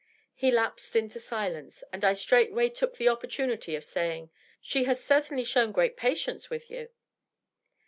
He lapsed into silence, and I straightway took the opportanity of saying, " She has certainly shown great patience with you.''